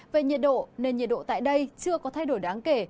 về nhiệt độ nền nhiệt độ tại đây chưa có thay đổi đáng kể